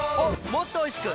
もっとおいしく！